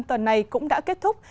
tuần này cũng đã kết thúc